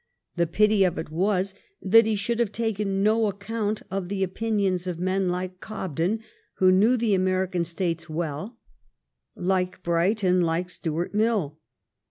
The pity of it was that he should have taken no account of the opinions of men like Cobden, who knew the American States well, like Bright, and like Stuart Mill.